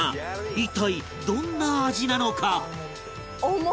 一体どんな味なのか？